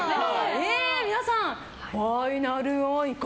皆さん、ファイナル愛花？